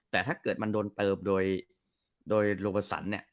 แต่ถ้าคือมันโดนเติบโดยโดยรวบสรรค์เนี้ย